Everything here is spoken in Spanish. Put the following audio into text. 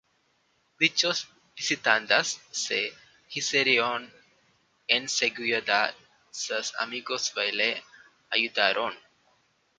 Dichos visitantes se hicieron enseguida sus amigos y le ayudaron.